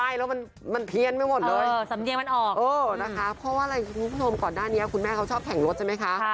เยี้ยนไม่หมดเลยนะคะเพราะว่าอะไรคุณผู้ชมก่อนหน้านี้คุณแม่เขาชอบแข็งรถใช่ไหมคะ